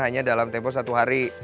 hanya dalam tempo satu hari